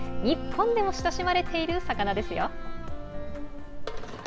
日本でも親しまれている魚ですよ。